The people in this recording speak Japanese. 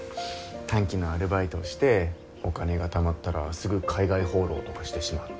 短期のアルバイトをしてお金がたまったらすぐ海外放浪とかしてしまうので。